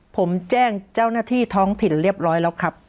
ผมแจ้งเจ้าหน้าที่ท้องถิ่นเรียบร้อยแล้วครับ